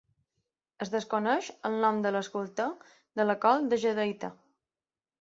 Es desconeix el nom de l'escultor de la Col de jadeïta.